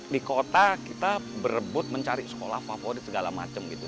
di kota kita berebut mencari sekolah favorit segala macam gitu